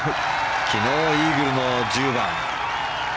昨日、イーグルの１０番。